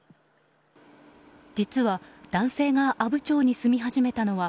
実は男性が阿武町に住み始めたのは